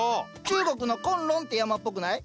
中国の崑崙って山っぽくない？